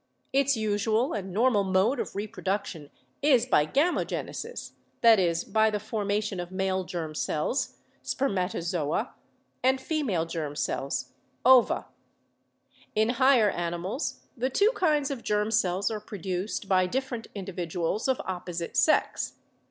Its usual and normal mode of reproduction is by gamogenesis ; that is, by the formation of male germ cells (spermato zoa) and female germ cells (ova). In higher animals the two kinds of germ cells are produced by different individu als of opposite sex.